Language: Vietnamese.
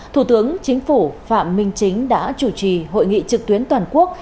thủ tướng chính phủ phạm minh chính đã chủ trì hội nghị trực tuyến toàn quốc